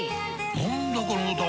何だこの歌は！